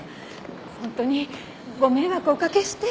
本当にご迷惑をおかけして。